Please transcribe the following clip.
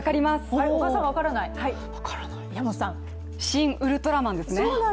「シン・ウルトラマン」ですね。